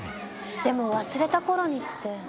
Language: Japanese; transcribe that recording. でも忘れた頃にって。